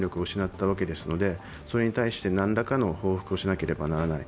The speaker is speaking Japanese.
大きな戦力を失ったわけですのでそれに対して何らかの報復をしなければならない。